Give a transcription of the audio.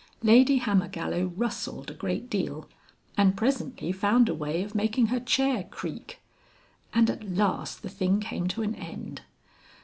Lady Hammergallow rustled a great deal, and presently found a way of making her chair creak. And at last the thing came to an end.